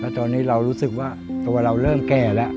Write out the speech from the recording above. ตอนนี้เรารู้สึกว่าตัวเราเริ่มแก่แล้ว